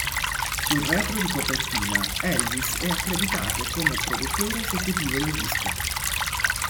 Sul retro di copertina Elvis è accreditato come produttore esecutivo del disco.